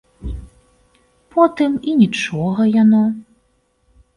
Потым і нічога яно.